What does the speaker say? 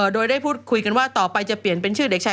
โดยได้พูดคุยกันว่าต่อไปจะเปลี่ยนเป็นชื่อเด็กชาย